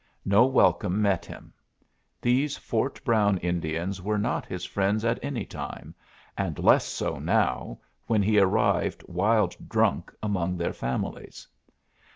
No welcome met him. These Fort Brown Indians were not his friends at any time, and less so now, when he arrived wild drunk among their families.